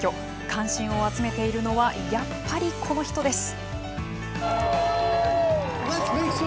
関心を集めているのはやっぱり、この人です。